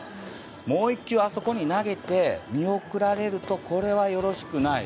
もう１球あそこに投げて見送られるとこれはよろしくない。